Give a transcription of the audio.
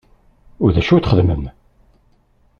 U d acu i txeddmem?